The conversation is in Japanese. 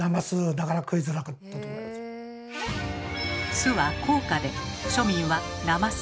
酢は高価で庶民は「なます」